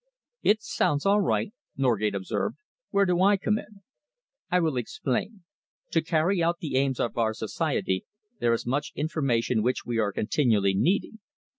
"It sounds all right," Norgate observed. "Where do I come in?" "I will explain. To carry out the aims of our society, there is much information which we are continually needing.